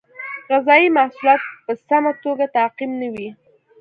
غذایي محصولات په سمه توګه تعقیم نه وي.